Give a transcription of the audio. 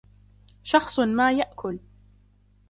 شخص ما يأكل.